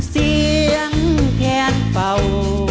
เสียงแขนไปอ่ะ